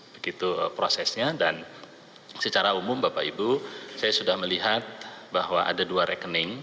begitu prosesnya dan secara umum bapak ibu saya sudah melihat bahwa ada dua rekening